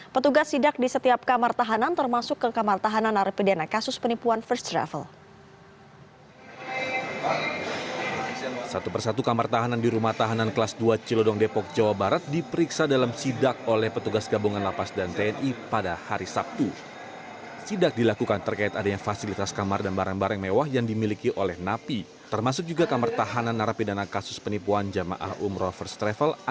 petugas sidak di setiap kamar tahanan termasuk ke kamar tahanan narapidana kasus penipuan first travel